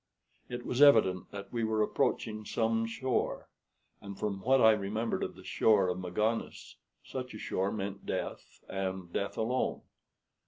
It was evident that we were approaching some shore; and, from what I remembered of the shore of Magones, such a shore meant death, and death alone.